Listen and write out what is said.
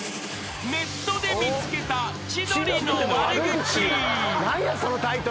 ［ネットで見つけた千鳥の悪口］